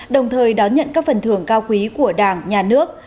đồng thời đón nhận các phần thưởng cao quý của đảng nhà nước